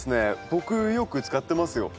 僕よく使ってますよ。